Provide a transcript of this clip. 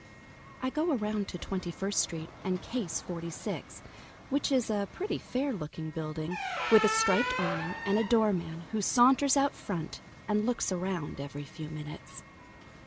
I go around to Twenty first Street and case Forty six, which is a pretty fair looking building with a striped awning and a doorman who saunters out front and looks around every few minutes.